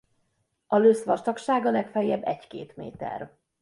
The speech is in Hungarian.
A lösz vastagsága legfeljebb egy-két méter.